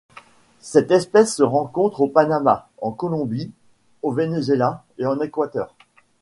Cette espèce se rencontre au Panama, en Colombie, au Venezuela et en Équateur.